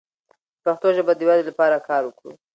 د پښتو ژبې د ودې لپاره کار وکړو.